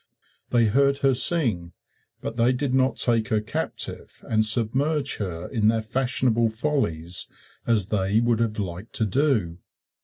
They heard her sing, but they did not take her captive and submerge her in their fashionable follies as they would have liked to do.